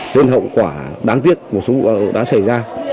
nên hậu quả đáng tiếc một số vụ đã xảy ra